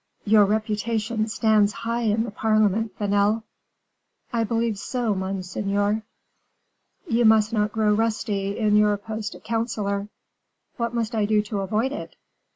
"Your reputation stands high in the parliament, Vanel." "I believe so, monseigneur." "You must not grow rusty in your post of counselor." "What must I do to avoid it?"